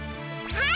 はい！